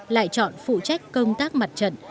lại chọn phụ trách công tác mặt trận